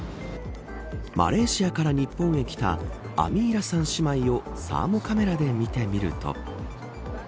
マレーシアから日本へ来たアミーラさん姉妹をサーモカメラで見てみると。